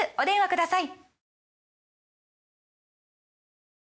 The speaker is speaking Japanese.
ください